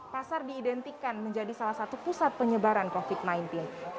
pasar diidentikan menjadi salah satu pusat penyebaran covid sembilan belas